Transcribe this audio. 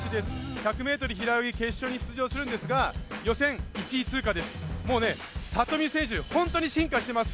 １００ｍ平泳ぎ決勝に出場するんですが予選１位通過ですもう聡美選手、進化しています。